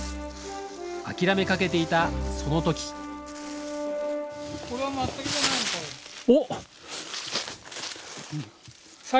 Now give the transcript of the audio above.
諦めかけていたその時おお！